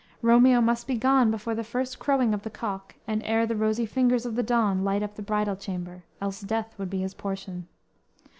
Romeo must be gone before the first crowing of the cock and ere the rosy fingers of the dawn light up the bridal chamber, else death would be his portion.